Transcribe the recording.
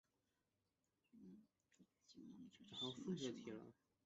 对称矩阵中的右上至左下方向元素以主对角线为轴进行对称。